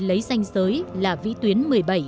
lấy danh giới là vĩ tuyến một mươi bảy